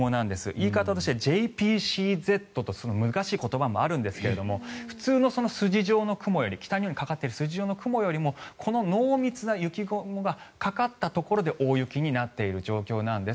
言い方として、ＪＰＣＺと難しい言葉もあるんですが普通の筋状の雲より北日本にかかっている筋状の雲よりこの濃密な雪雲がかかったところで大雪になっている状況なんです。